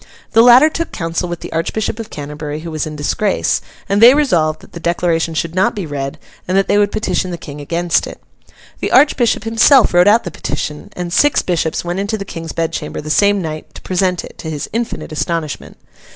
The latter took counsel with the Archbishop of Canterbury, who was in disgrace; and they resolved that the declaration should not be read, and that they would petition the King against it. The Archbishop himself wrote out the petition, and six bishops went into the King's bedchamber the same night to present it, to his infinite astonishment.